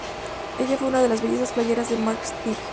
Ella fue una de las "bellezas playeras" de Mack Sennett.